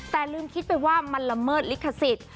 แต่ลืมคิดไปว่ามันละเมิดลิขสิทธิ์